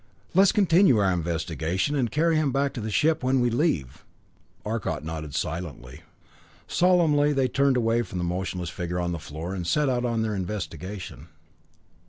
Let's continue our investigation and carry him back to the ship when we leave." Arcot nodded silently. Solemnly they turned away from the motionless figure on the floor and set out on their investigation.